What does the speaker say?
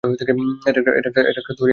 এটা একা-থোরিয়াম নামেও পরিচিত।